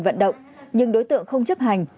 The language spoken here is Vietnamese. vận động nhưng đối tượng không chấp hành